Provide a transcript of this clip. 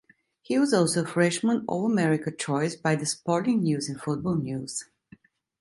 He was also a Freshman All-America choice by The Sporting News and Football News.